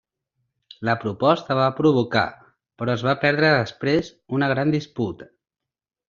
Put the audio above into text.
La proposta va provocar, però es va perdre després, una gran disputa.